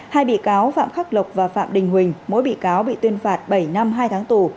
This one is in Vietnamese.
hai bị cáo phạm khắc lộc và phạm đình huỳnh mỗi bị cáo bị tuyên phạt bảy năm hai tháng tù